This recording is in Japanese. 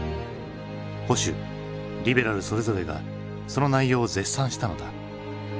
保守リベラルそれぞれがその内容を絶賛したのだ。